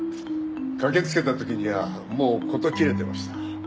駆けつけた時にはもう事切れていました。